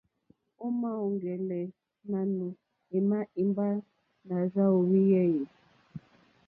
O ma ɔ̀ŋgɛlɛ nanù ema imba nà rza o hwiya e?